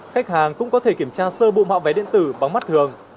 khách hàng cũng có thể kiểm tra sơ bộ mạo vé điện tử bằng mắt thường